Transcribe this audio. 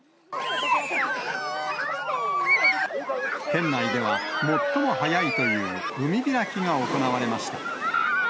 県内では、最も早いという海開きが行われました。